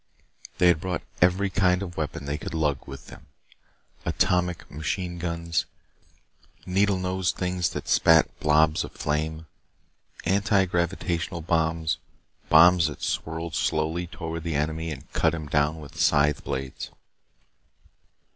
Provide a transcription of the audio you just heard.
They had brought every kind of weapon that they could lug with them. Atomic machine guns. Needle nosed things that spat blobs of flame. Anti gravitational bombs. Bombs that swirled slowly toward the enemy and cut him down with scythe blades.